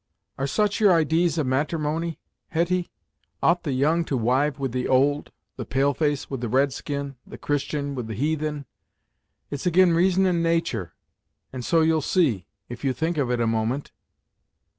"Are such your idees of matrimony, Hetty! Ought the young to wive with the old the pale face with the red skin the Christian with the heathen? It's ag'in reason and natur', and so you'll see, if you think of it a moment."